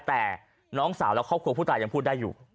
แต่น้องสาวและครอบครัวผู้ตายยังพูดได้อยู่